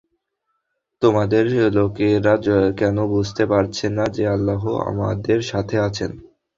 তোমাদের লোকেরা কেন বুঝতে পারছে না, যে আল্লাহ আমাদের সাথে আছেন?